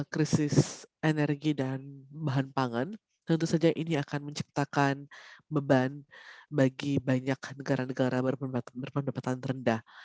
krisis energi dan bahan pangan tentu saja ini akan menciptakan beban bagi banyak negara negara berpendapatan rendah